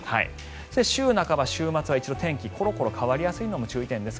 週半ば、週末は一度天気がころころ変わりやすいのが注意点です。